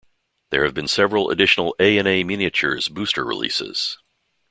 There have been several additional "A and A Miniatures" booster releases.